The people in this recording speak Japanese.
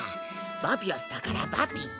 バピラスだからバピィ。